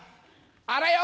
あらよ！